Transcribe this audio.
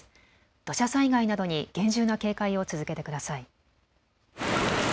土砂災害などに厳重な警戒を続けてください。